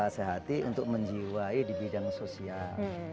sehati untuk menjiwai di bidang sosial